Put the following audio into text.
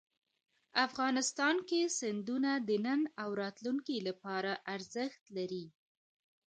افغانستان کې سیندونه د نن او راتلونکي لپاره ارزښت لري.